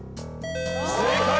正解！